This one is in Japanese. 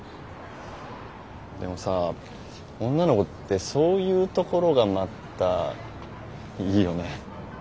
でもさ女の子ってそういうところがまたいいよね。